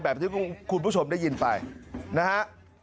ที่คุณผู้ชมได้ยินไปนะฮะ